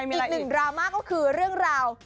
อีกหนึ่งดราม่าก็คือเรื่องราว